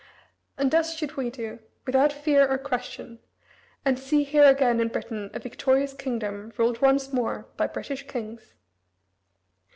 And thus should we do, without fear or question, and see here again in Britain a victorious kingdom ruled once more by British kings."